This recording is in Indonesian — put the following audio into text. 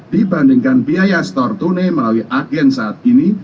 dibandingkan biaya store tunai melalui agen saat ini